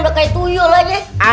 bakal tuyul aja